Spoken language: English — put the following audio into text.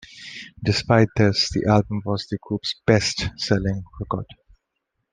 Despite this, the album was the group's best-selling record.